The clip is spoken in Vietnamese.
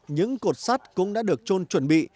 những cột sắt cũng đã được trôn chuẩn bị